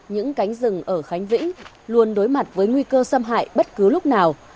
những cánh rừng ở khánh vĩnh luôn đối mặt với nguy cơ xâm hại bất cứ lúc nào